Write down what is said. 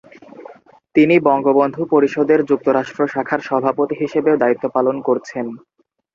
তিনি বঙ্গবন্ধু পরিষদের যুক্তরাষ্ট্র শাখার সভাপতি হিসেবেও দায়িত্ব পালন করছেন।